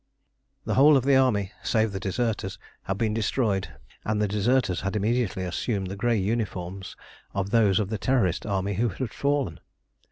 The whole of the army, save the deserters, had been destroyed, and the deserters had immediately assumed the grey uniforms of those of the Terrorist army who had fallen.